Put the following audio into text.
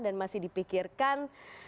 dan masih dipikirkan